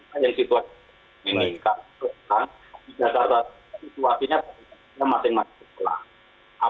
karena yang situasi ini di dasar situasinya masing masing kecelakaan